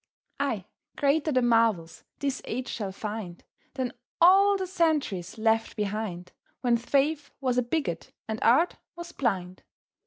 Ay, greater the marvels this age shall find Than all the centuries left behind, When faith was a bigot and art was blind.